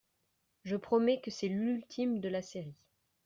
Je promets que c’est l’ultime de la série.